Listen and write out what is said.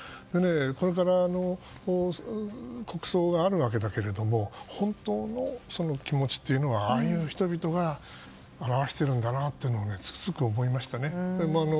これから国葬があるわけだけども本当の気持ちというのはああいう人々が表してるんだなというのはつくづく思いましたね。